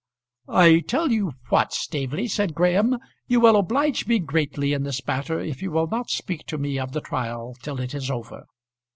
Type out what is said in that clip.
"I tell you what, Staveley," said Graham, "you will oblige me greatly in this matter if you will not speak to me of the trial till it is over."